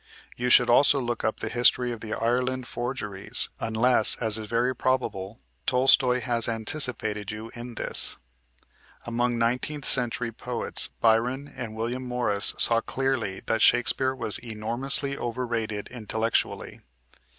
You should also look up the history of the Ireland forgeries, unless, as is very probable, Tolstoy has anticipated you in this. Among nineteenth century poets Byron and William Morris saw clearly that Shakespeare was enormously overrated intellectually.